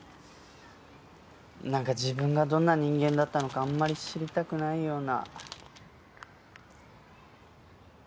なんか自分がどんな人間だったのかあんまり知りたくないような。